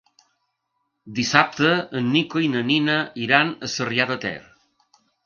Dissabte en Nico i na Nina iran a Sarrià de Ter.